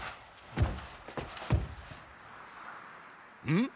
うん？